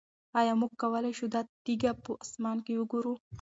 آیا موږ کولی شو دا تیږه په اسمان کې وګورو؟